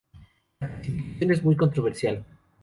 La clasificación es muy controversial.